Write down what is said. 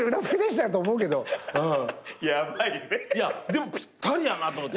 でもぴったりやなと思って。